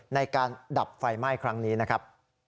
ในการดับไฟไหม้ครั้งนี้นะครับ